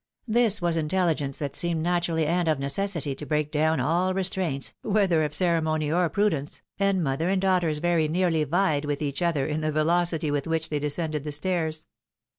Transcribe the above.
This was intelligence that seemed naturally and of necessity to break down aU restraints, whether of ceremony or prudence, and mother and daughters very nearly vied with each other in the velocity with which they descended the stairs.